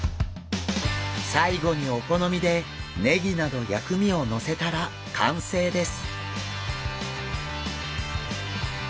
最後にお好みでネギなど薬味をのせたら完成です。